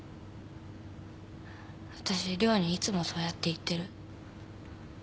わたし涼にいつもそうやって言ってる。